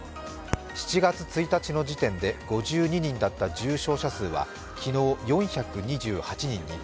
７月１日の時点で５２人だった重症者数は昨日、４２８人に。